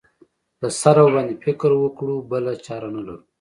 له سره ورباندې فکر وکړو بله چاره نه لرو.